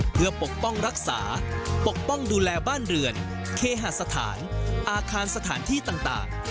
เพื่อปกป้องรักษาปกป้องดูแลบ้านเรือนเคหาสถานอาคารสถานที่ต่าง